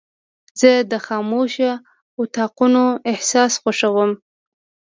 زه د خاموشو اتاقونو احساس خوښوم.